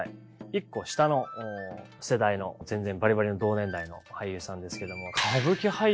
１個下の世代の全然バリバリの同年代の俳優さんですけども。